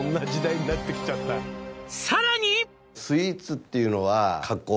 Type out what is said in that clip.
「さらに」